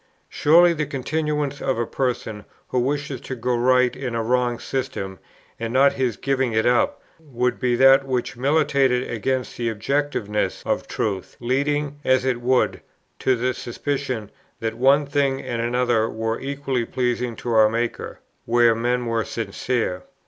Surely the continuance of a person, who wishes to go right, in a wrong system, and not his giving it up, would be that which militated against the objectiveness of Truth, leading, as it would, to the suspicion, that one thing and another were equally pleasing to our Maker, where men were sincere.